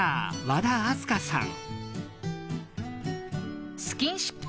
和田明日香さん。